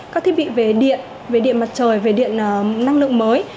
các thiết bị về điện về điện mặt trời về điện năng lượng mới